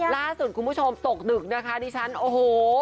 ล่าสุดคุณผู้ชมตกดึกนะคะดิฉันโอ้โห